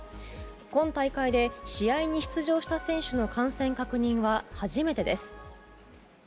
今大会で、試合に出場した選手の感染確認は初めてです。